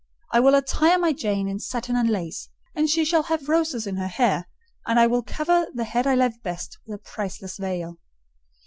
"I will attire my Jane in satin and lace, and she shall have roses in her hair; and I will cover the head I love best with a priceless veil."